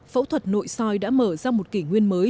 phẫu thuật nội soi đã mở ra một kỷ nguyên mới